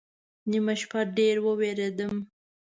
نیمه شپه ډېر ووېرېدم